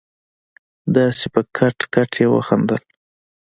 داسې په کټ کټ يې وخندل.